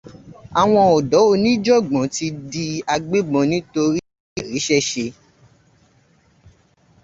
Àwọn ọ̀dọ́ oníjọ̀gbọ̀n ti di agbébọn nitorí àìríṣẹ́ṣe